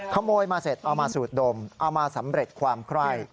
ขโมยมาเสร็จเอามาสูดดมเอามาสำเร็จความไคร่